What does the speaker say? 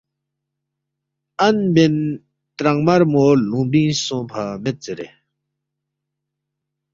اَن بین ترانگمَرمو لُونگبِنگ سونگفا مید زیرے